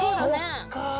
そっか。